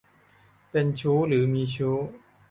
เป็นชู้หรือมีชู้